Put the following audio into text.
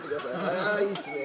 ああいいですね。